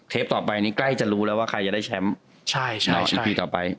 เทปต่อไปนี้ใกล้จะรู้แล้วว่าใครจะได้แชมป์